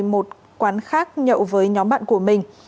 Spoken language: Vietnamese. một quán khác nhậu với nhóm bạn của mình